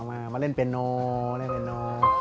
เอามามาเล่นเปียโนเล่นเปียโน